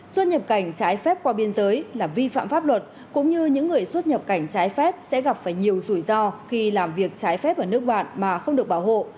xuất nhập cảnh trái phép qua biên giới là vi phạm pháp luật cũng như những người xuất nhập cảnh trái phép sẽ gặp phải nhiều rủi ro khi làm việc trái phép ở nước bạn mà không được bảo hộ